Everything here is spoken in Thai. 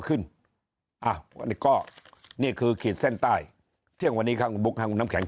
ขึ้นอ้าวก็นี่คือขีดเส้นใต้เที่ยงวันนี้ครับคุณบุ๊คคุณน้ำแข็ง